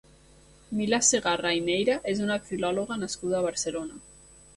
Mila Segarra i Neira és una filòloga nascuda a Barcelona.